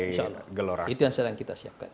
iya insya allah itu yang sekarang kita siapkan